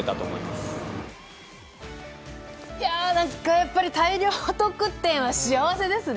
やっぱり大量得点は幸せですね。